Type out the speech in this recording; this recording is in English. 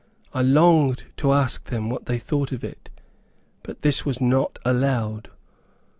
I longed to ask them what they thought of it, but this was not allowed.